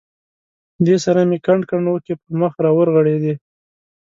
دې سره مې کنډ کنډ اوښکې پر مخ را ورغړېدې.